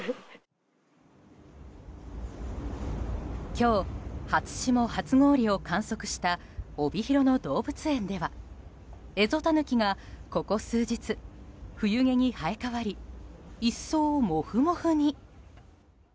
今日、初霜・初氷を観測した帯広の動物園ではエゾタヌキがここ数日、冬毛に生え変わり一層、もふもふに。